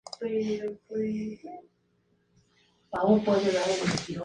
Juega de centrocampista en Blooming de la Primera División de Bolivia.